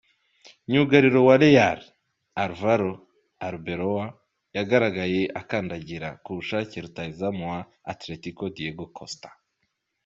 Myugariro wa Real, Álvaro Arbeloa yagaragaye akandagira ku bushake rutahizamu wa Atlético Diego Costa.